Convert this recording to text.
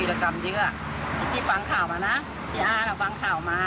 ในเอวแล้วก็มาพึ่งมาแยกย้ายกันมา